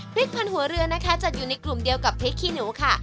พันหัวเรือนะคะจัดอยู่ในกลุ่มเดียวกับพริกขี้หนูค่ะ